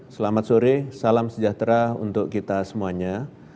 selamat sore salam sejahtera untuk kita semuanya